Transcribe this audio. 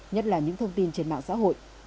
nhất là những thông tin trên mạng xã hội